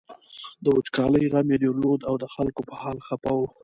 د وچکالۍ غم یې درلود او د خلکو په حال خپه و.